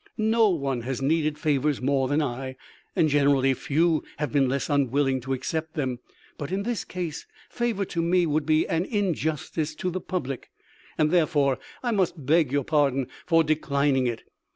No one has needed favors more than I, and generally few. have been less unwilling to accept them, but in this case favor to me would be injustice to the public, and therefore I must beg your pardon for declining it.